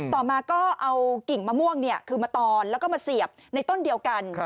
ต่อมาก็เอากิ่งมะม่วงคือมาตอนแล้วก็มาเสียบในต้นเดียวกัน